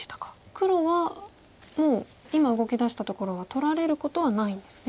黒はもう今動きだしたところは取られることはないんですね。